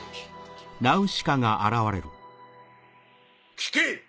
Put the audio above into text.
聞け！